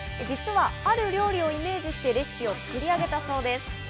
実はある料理をイメージしてレシピを作り上げたそうです。